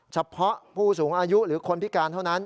เฉพาะผู้สูงอายุหรือคนพิการเท่านั้น